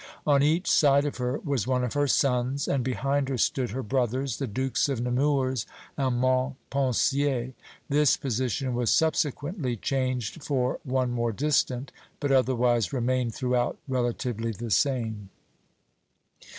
On each side of her was one of her sons, and behind her stood her brothers, the Dukes of Nemours and Montpensier. This position was subsequently changed for one more distant, but otherwise remained throughout relatively the same.